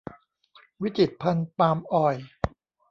วิจิตรภัณฑ์ปาล์มออยล์